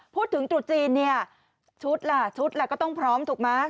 ตรุษจีนเนี่ยชุดล่ะชุดล่ะก็ต้องพร้อมถูกไหม